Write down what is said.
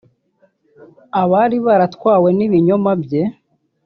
Abari baratwawe n’ibinyoma bye